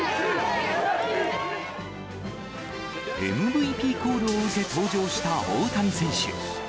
ＭＶＰコールを受け、登場した大谷選手。